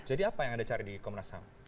jadi apa yang anda cari di komnas ham